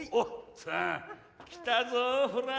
ツン来たぞほら！